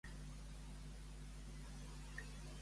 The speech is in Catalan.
De què està format?